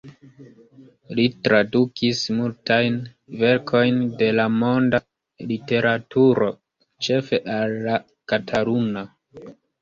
Li tradukis multajn verkojn de la monda literaturo ĉefe al la kataluna.